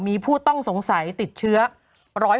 โหยวายโหยวายโหยวาย